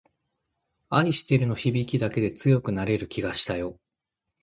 愛してるの響きだけで強くなれる気がしたよ